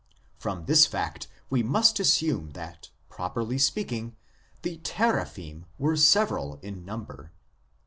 From this fact we must assume that, properly speaking, the Teraphim were several in number.